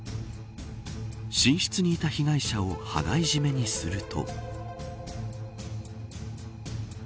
寝室にいた被害者を羽交い締めにすると。